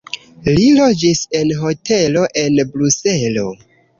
Li loĝis en hotelo en Bruselo.